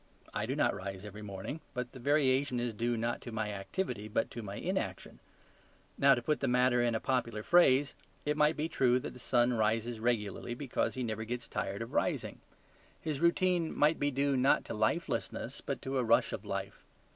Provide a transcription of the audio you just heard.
I do not rise every morning; but the variation is due not to my activity, but to my inaction. Now, to put the matter in a popular phrase, it might be true that the sun rises regularly because he never gets tired of rising. His routine might be due, not to a lifelessness, but to a rush of life.